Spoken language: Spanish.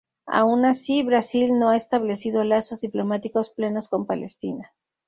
Aun así, Brasil no ha establecido lazos diplomáticos plenos con Palestina.